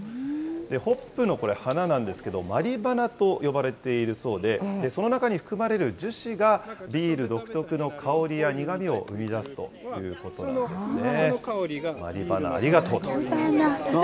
ホップの花なんですけど、まり花と呼ばれているそうで、その中に含まれる樹脂が、ビール独特の香りや苦みを生み出すということなんですね。